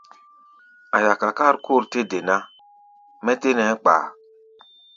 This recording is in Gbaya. A̧ yaka kárkór tɛ́ de ná, mɛ́ tɛ́ nɛɛ́ kpa a.